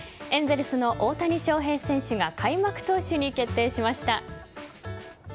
エンゼルスの大谷翔平選手が開幕投手に決定しました。